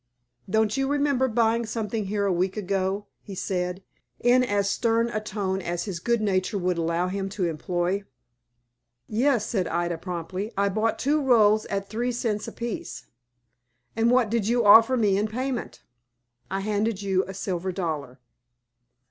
"Don't you remember buying something here a week ago?" he said, in as stern a tone as his good nature would allow him to employ. "Yes," said Ida, promptly; "I bought two rolls at three cents a piece." "And what did you offer me in payment?" "I handed you a silver dollar."